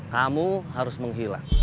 kamu harus menghilang